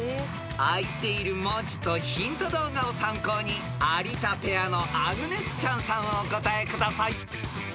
［あいている文字とヒント動画を参考に有田ペアのアグネス・チャンさんお答えください］